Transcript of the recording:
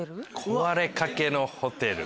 壊れかけのホテル！